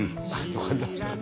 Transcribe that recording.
よかった。